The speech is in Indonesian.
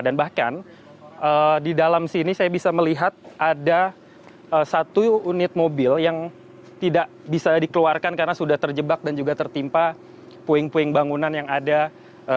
dan bahkan di dalam sini saya bisa melihat ada satu unit mobil yang tidak bisa dikeluarkan karena sudah terjebak dan juga tertimpa puing puing bangunan yang ada di sini